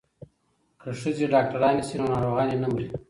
که ښځې ډاکټرانې شي نو ناروغانې نه مري.